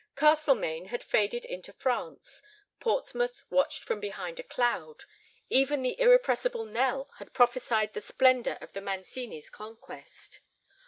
Castlemaine had faded into France; Portsmouth watched from behind a cloud; even the irrepressible Nell had prophesied the splendor of the Mancini's conquest.